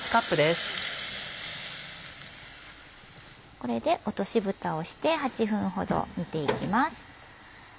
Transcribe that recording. これで落としぶたをして８分ほど煮ていきます。